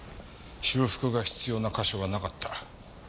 修復が必要な箇所はなかった。